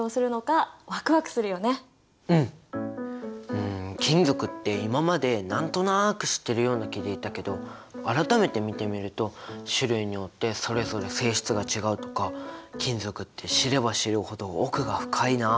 うん金属って今まで何となく知ってるような気でいたけど改めて見てみると種類によってそれぞれ性質が違うとか金属って知れば知るほど奥が深いな！